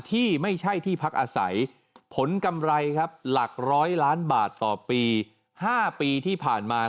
ที่ไม่ใช่ที่พักอาศัยผลกำไรครับหลักร้อยล้านบาทต่อปี๕ปีที่ผ่านมา